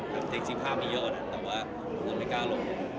แท็กซิกภาพมีเยอะนะแต่ว่าผมไม่กล้าลง